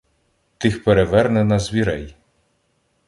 Тих переверне на звірей.